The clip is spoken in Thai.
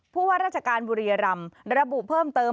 ผู้ว่าราชการบุรียรำระบุเพิ่มเติม